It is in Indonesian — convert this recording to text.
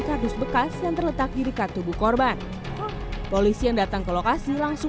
kardus bekas yang terletak di dekat tubuh korban polisi yang datang ke lokasi langsung